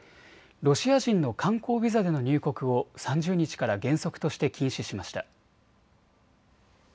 ロシア人の観光ビザでの入国を３０日から原則として禁止しました。